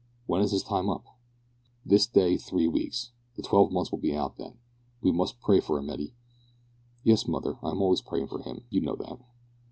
When is his time up?" "This day three weeks. The twelve months will be out then. We must pray for 'im, Hetty." "Yes, mother. I am always prayin' for him. You know that."